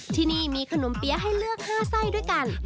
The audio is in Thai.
ที่นี่มีขนมเปี๊ยะให้เลือก๕ไส้ด้วยกัน